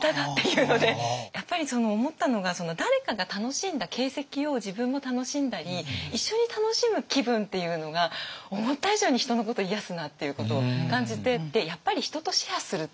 やっぱり思ったのが誰かが楽しんだ形跡を自分も楽しんだり一緒に楽しむ気分っていうのが思った以上に人のこと癒やすなっていうことを感じて。